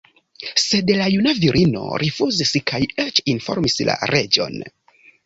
Sed la juna virino rifuzis kaj eĉ informis la reĝon.